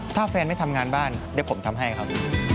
ถ้าแฟนไม่ทำงานบ้านเดี๋ยวผมทำให้ครับ